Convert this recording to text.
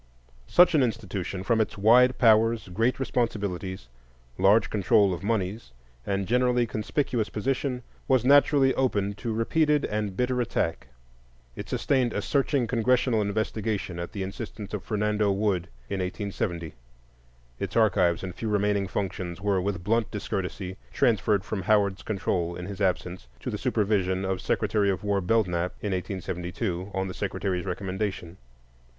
Such an institution, from its wide powers, great responsibilities, large control of moneys, and generally conspicuous position, was naturally open to repeated and bitter attack. It sustained a searching Congressional investigation at the instance of Fernando Wood in 1870. Its archives and few remaining functions were with blunt discourtesy transferred from Howard's control, in his absence, to the supervision of Secretary of War Belknap in 1872, on the Secretary's recommendation.